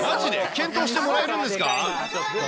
検討してもらえるんですか？